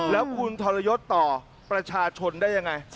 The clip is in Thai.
แล้วคุณทรยศต่อประชาชนได้ยังไง